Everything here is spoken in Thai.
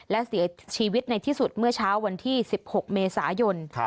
และเสียชีวิตในที่สุดเมื่อเช้าวันที่๑๖เมษายน